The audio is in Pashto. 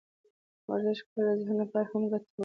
ورزش کول د ذهن لپاره هم ګټور دي.